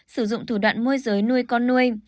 sử dụng thủ đoạn môi giới nuôi con nuôi